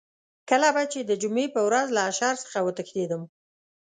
کله به چې د جمعې په ورځ له اشر څخه وتښتېدم.